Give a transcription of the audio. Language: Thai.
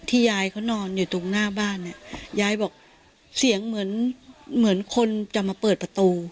ยายเขานอนอยู่ตรงหน้าบ้านเนี่ยยายบอกเสียงเหมือนเหมือนคนจะมาเปิดประตู